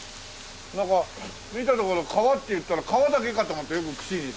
なんか見たところ「かわ」っていったら皮だけかと思ってよく串にさ。